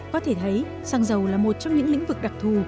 có thể thấy xăng dầu là một trong những lĩnh vực đặc thù